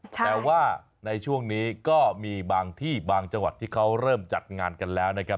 แต่ว่าในช่วงนี้ก็มีบางที่บางจังหวัดที่เขาเริ่มจัดงานกันแล้วนะครับ